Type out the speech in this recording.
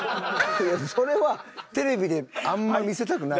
それはテレビであんまり見せたくないです。